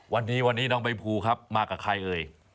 วันนี้วันนี้น้องใบภูครับมากับใครเอ่ย